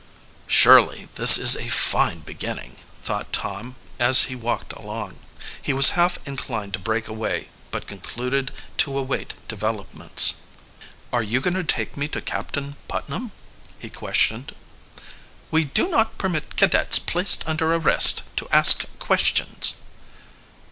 "Surely, this is a fine beginning," thought Tom as he walked along. He was half inclined to break away, but concluded to await developments. "Are you going to take me to Captain Putnam?" he questioned. "We do not permit cadets placed under arrest to ask questions."